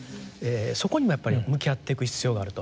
そこにもやっぱり向き合っていく必要があると。